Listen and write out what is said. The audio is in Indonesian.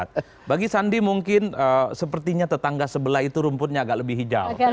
nah bagi sandi mungkin sepertinya tetangga sebelah itu rumputnya agak lebih hijau